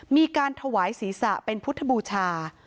มีการถวายศีรษะเป็นพุทธบูชา